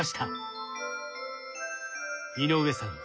井上さん